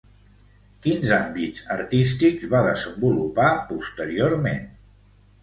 Quins àmbits artístics va desenvolupar posteriorment?